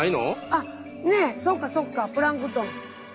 あねっそっかそっかプランクトン。